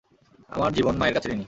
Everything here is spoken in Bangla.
আমার জীবন মায়ের কাছে ঋণী।